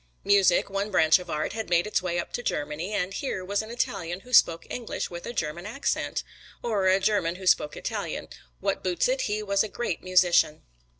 Music, one branch of Art, had made its way up to Germany, and here was an Italian who spoke English with a German accent, or a German who spoke Italian what boots it, he was a great musician!